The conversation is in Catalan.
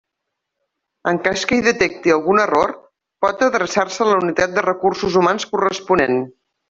En cas que hi detecti algun error, pot adreçar-se a la unitat de recursos humans corresponent.